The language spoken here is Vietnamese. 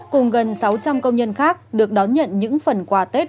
cùng gần sáu trăm linh công nhân khác được đón nhận những phần quà tết